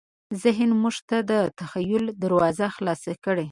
ذهن موږ ته د تخیل دروازه خلاصه کړې.